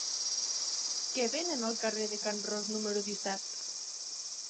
Què venen al carrer de Can Ros número disset?